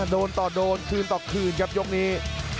โดนต่อโดนคืนต่อคืนครับยกนี้